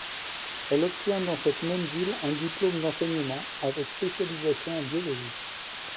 Elle obtient, dans cette même ville, un diplôme d'enseignement, avec spécialisation en biologie.